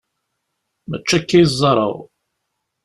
Mačči akka i ẓẓareɣ.